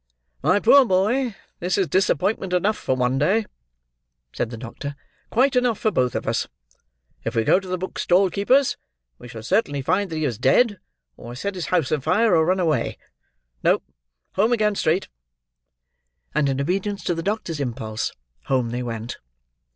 "My poor boy, this is disappointment enough for one day," said the doctor. "Quite enough for both of us. If we go to the book stall keeper's, we shall certainly find that he is dead, or has set his house on fire, or run away. No; home again straight!" And in obedience to the doctor's impulse, home they went.